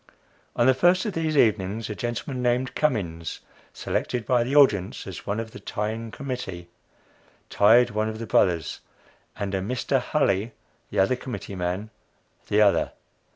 On the first of these evenings, a gentleman named Cummins, selected by the audience as one of the Tying Committee, tied one of the Brothers, and a Mr. Hulley, the other committee man, the other.